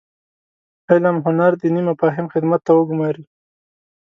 علم هنر دیني مفاهیم خدمت ته وګوماري.